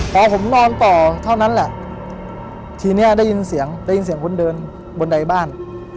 พอผมนอนต่อเท่านั้นแหละทีนี้ได้ยินเสียงได้ยินเสียงคนเดินบนใดบ้าน